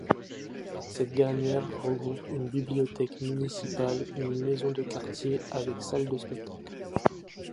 Cette dernière regroupe une bibliothèque municipale, une Maison de Quartier avec salle de spectacle.